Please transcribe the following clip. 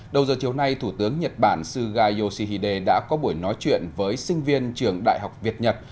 đầu giờ chiều nay thủ tướng nhật bản suga yoshihide đã có buổi nói chuyện với sinh viên trường đại học việt nhật